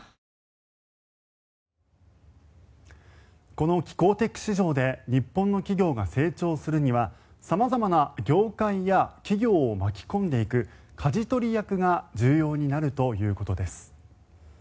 この気候テック市場で日本の企業が成長するには様々な業界や企業を巻き込んでいくかじ取り役が重要になるということです。